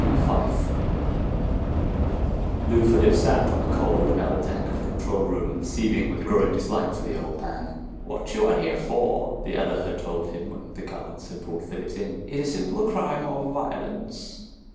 B. Fyfe Lou Phillips sat on the cold metal deck of the control room, seething with a growing dislike for the old man. "What you are here for," the other had told him when the guards had brought Phillips in, "is a simple crime of violence.